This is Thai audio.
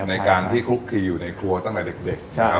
ในการที่คลุกคลีอยู่ในครัวตั้งแต่เด็ก